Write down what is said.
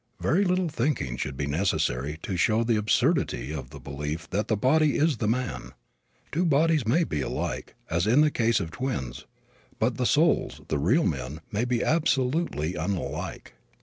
Very little thinking should be necessary to show the absurdity of the belief that the body is the man. Two bodies may be alike, as in the case of twins, but the souls, the real men, may be absolutely unlike.